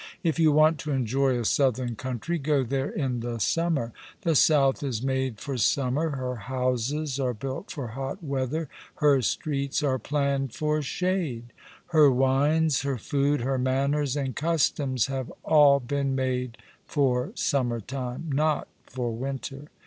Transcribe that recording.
If you want to enjoy a southern country, go there in the summer. The south is made for summer, her houses are built for hot weather, her streets are planned for shade ; her wines, her food, her manners and customs have all been made for summer time— not for winter.